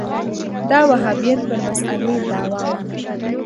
دا وهابیت پر مسألې دعوا وه